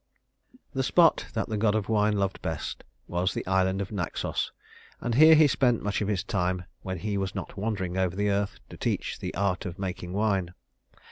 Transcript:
The spot that the god of wine loved best was the island of Naxos; and here he spent much of his time when he was not wandering over the earth to teach the art of making wine.